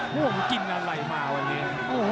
โอ้โหกลิ่นอะไรมาวันนี้